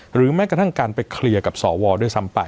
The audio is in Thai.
แม้กระทั่งการไปเคลียร์กับสวด้วยซ้ำไป